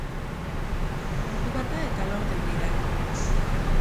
Ordu bata eta laurden dira.